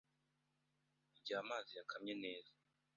Igihe amazi yakamye neza